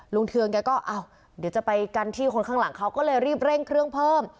เทืองแกก็อ้าวเดี๋ยวจะไปกันที่คนข้างหลังเขาก็เลยรีบเร่งเครื่องเพิ่ม